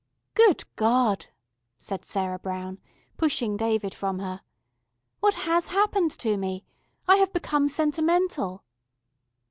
"Good God!" said Sarah Brown, pushing David from her. "What has happened to me? I have become sentimental."